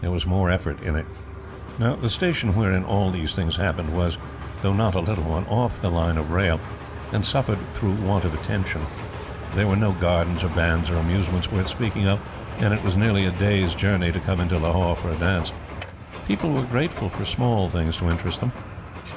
There was more effort in it. Now the Station wherein all these things happened was, though not a little one, off the line of rail, and suffered through want of attention. There were no gardens or bands or amusements worth speaking of, and it was nearly a day's journey to come into Lahore for a dance. People were grateful for small things to interest them.